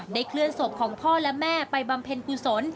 เคลื่อนศพของพ่อและแม่ไปบำเพ็ญกุศล